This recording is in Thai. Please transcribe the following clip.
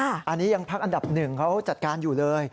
อันนี้ยังภาคอันดับ๑เขาจัดการอยู่เลย